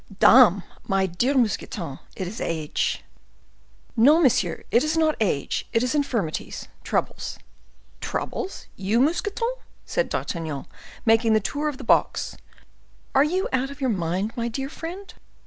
"Dame! my dear Mousqueton, it is age." "No, monsieur, it is not age; it is infirmities—troubles." "Troubles! you, Mousqueton?" said D'Artagnan, making the tour of the box; "are you out of your mind, my dear friend?